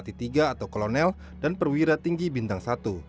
terutama pada pangkat melati tiga atau kolonel dan perwira tinggi bintang satu